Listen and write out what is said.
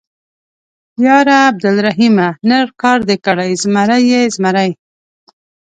_ياره عبدالرحيمه ، نر کار دې کړی، زمری يې، زمری.